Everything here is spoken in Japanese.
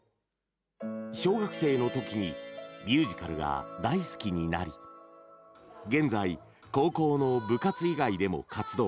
小学生のときにミュージカルが大好きになり現在、高校の部活以外でも活動。